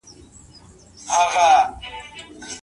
په ورځني ژوند کې هم باید څېړونکی له ریښتیا ویلو کار واخلي.